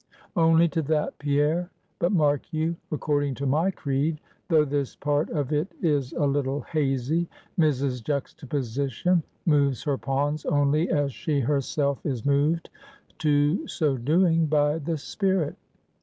"Only to that, Pierre; but mark you: according to my creed though this part of it is a little hazy Mrs. Juxtaposition moves her pawns only as she herself is moved to so doing by the spirit."